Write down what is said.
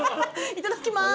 いただきます。